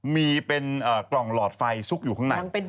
มีเป็นกล่องหลอดไฟซุกอยู่ข้างใน